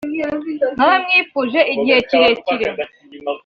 naramwifuje igihe kirekire